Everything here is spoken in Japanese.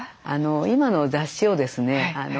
今の雑誌をですね